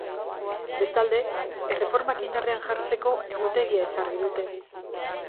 Bestalde, erreformak indarrean jartzeko egutegia ezarri dute.